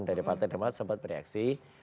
dari partai demokrat sempat bereaksi